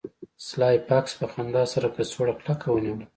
سلای فاکس په خندا سره کڅوړه کلکه ونیوله